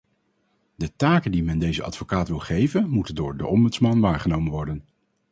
De taken die men deze advocaat wil geven, moeten door de ombudsman waargenomen worden.